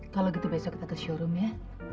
kalau gitu besok kita ke showroom ya